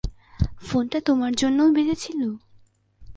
ফোনটা তোমার জন্যও বেজেছিল?